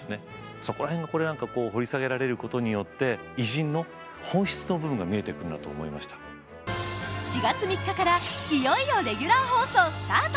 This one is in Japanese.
そこら辺を掘り下げられることによって４月３日からいよいよレギュラー放送スタート！